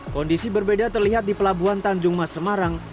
kondisi berbeda terlihat di pelabuhan tanjung mas semarang